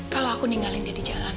kalau aku ninggalin dia di jalan